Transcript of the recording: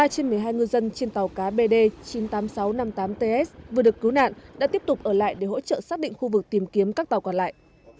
ba trên một mươi hai ngư dân trên tàu cá bd chín mươi tám nghìn sáu trăm năm mươi tám ts vừa được cứu nạn đã tiếp tục ở lại để hỗ trợ xác định khu vực tìm kiếm các tàu còn lại